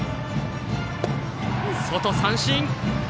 外、三振！